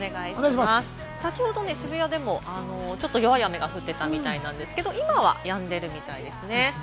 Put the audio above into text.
先ほど渋谷でもちょっと弱い雨が降ってたみたいなんですけれども、今は、やんでるみたいですね。